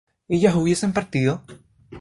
¿ellas hubiesen partido?